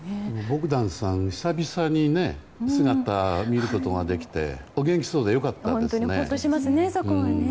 ボグダンさん、久々に姿を見ることができてお元気そうで良かったですね。